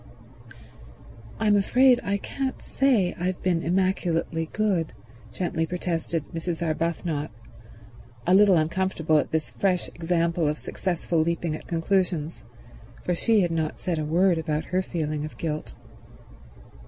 "I'm afraid I can't say I've been immaculately good," gently protested Mrs. Arbuthnot, a little uncomfortable at this fresh example of successful leaping at conclusions, for she had not said a word about her feeling of guilt.